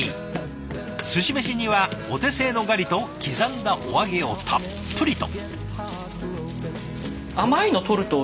すし飯にはお手製のガリと刻んだお揚げをたっぷりと。